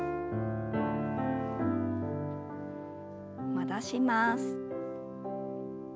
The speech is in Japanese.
戻します。